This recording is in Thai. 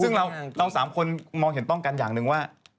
ซึ่งเราสามคนมองเห็นต้องกันอย่างหนึ่งว่า